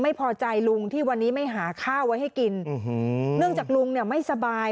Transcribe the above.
พอดีลุงที่วันนี้ไม่หาข้าวไว้ให้กินเนื่องจากลุงเนี่ยไม่สบาย